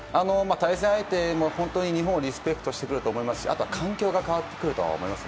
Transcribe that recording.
対戦相手も本当に日本をリスペクトしてくると思いますしあとは環境が変わってくると思います。